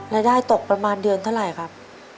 รายได้ตกประมาณเดือนเท่าไหร่ครับ